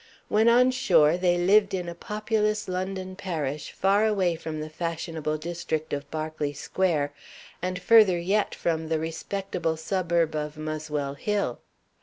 When on shore, they lived in a populous London parish, far away from the fashionable district of Berkeley Square, and further yet from the respectable suburb of Muswell Hill.